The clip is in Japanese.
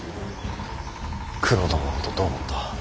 九郎殿のことどう思った。